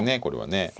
これはね。